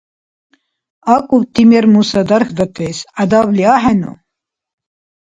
АкӀубти мер-муса дархьдатес гӀядабли ахӀену?